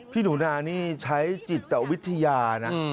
พี่หนูนานี่ใช้จิตวิทยานะ